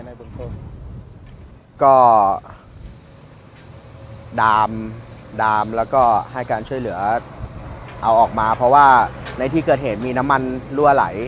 บุญคมก็ดามดามแล้วก็ให้การช่วยเหลือเอาออกมาเพราะว่าในที่เกิดเหตุมีน้ำมันรั่วไหล